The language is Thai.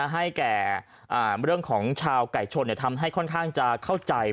ให้แก่เรื่องของชาวไก่ชนทำให้ค่อนข้างจะเข้าใจ